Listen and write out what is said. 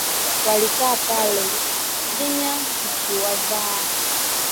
Walikaa pale, kimya kikiwavaa